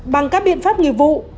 bằng các biện pháp nghi vụ